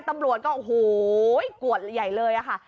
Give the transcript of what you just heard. ตำรวจก็โอ้โหกวดใหญ่เลยค่ะ